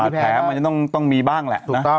คนที่แผงก็บาดแผงมันจะต้องมีบ้างแหละนะ